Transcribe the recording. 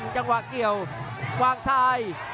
จังหวะเกี่ยวกวางซ้าย